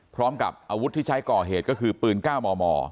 พร้อมกับอาวุธที่ใช้ก่อเหตุก็คือปืน๙มม